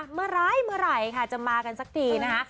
เมื่อไหร่ค่ะจะมากันสักทีนะคะ